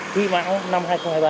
huy mãu năm hai nghìn hai mươi ba